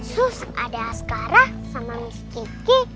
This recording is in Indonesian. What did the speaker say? sus ada asgara sama miss kiki